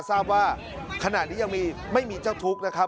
ทราบว่าขณะนี้ยังไม่มีเจ้าทุกข์นะครับ